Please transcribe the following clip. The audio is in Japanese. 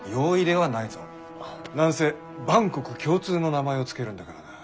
何せ万国共通の名前を付けるんだからな。